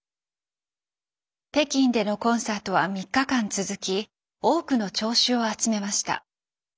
北京でのコンサートは３日間続き多くの聴衆を集めました。